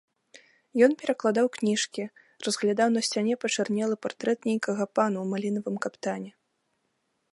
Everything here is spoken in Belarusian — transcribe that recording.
Ён перакладаў кніжкі, разглядаў на сцяне пачарнелы партрэт нейкага пана ў малінавым каптане.